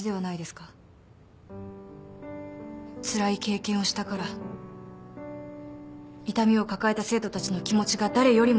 つらい経験をしたから痛みを抱えた生徒たちの気持ちが誰よりも分かる。